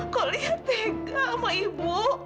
kok lihat tega sama ibu